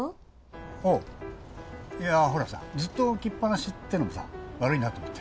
おういやほらさずっと置きっ放しってのもさ悪いなと思って。